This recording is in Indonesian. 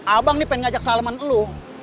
abang nih pengen ngajak saleman lo